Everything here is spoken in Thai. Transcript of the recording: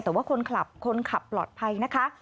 แต่ว่าคนขับคนขับปลอดภัยนะคะ